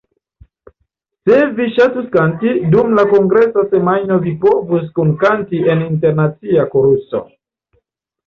Se vi ŝatas kanti, dum la kongresa semajno vi povas kunkanti en internacia koruso.